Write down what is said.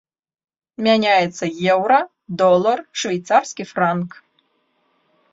Мяняецца еўра, долар, швейцарскі франк.